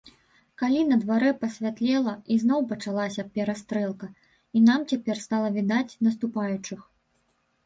Калі на дварэ пасвятлела, ізноў пачалася перастрэлка, і нам цяпер стала відаць наступаючых.